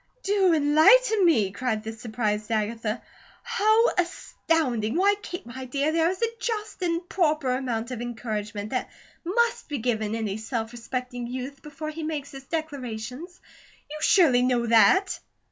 "Do enlighten me!" cried the surprised Agatha. "How astonishing! Why, Kate, my dear, there is a just and proper amount of encouragement that MUST be given any self respecting youth, before he makes his declarations. You surely know that."